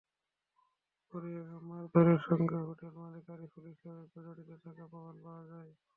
পরে মারধরের সঙ্গে হোটেলমালিক আরিফুল ইসলামের জড়িত থাকার প্রমাণ পাওয়া যায়।